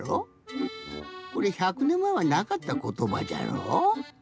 これ１００ねんまえはなかったことばじゃろ。